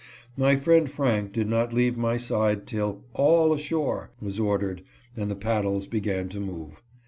My friend Frank did not leave my side till " all ashore " was ordered and the paddles began to move.